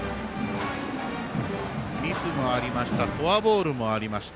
ミスもありましたフォアボールもありました。